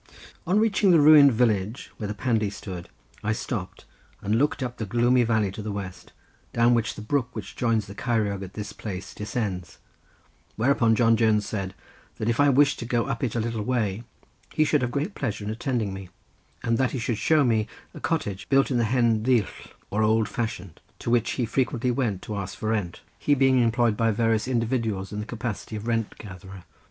On reaching the ruined village where the Pandy stood I stopped, and looked up the gloomy valley to the west, down which the brook which joins the Ceiriog at this place descends, whereupon John Jones said, that if I wished to go up it a little way he should have great pleasure in attending me, and that he would show me a cottage built in the hen ddull, or old fashion, to which he frequently went to ask for the rent; he being employed by various individuals in the capacity of rent gatherer.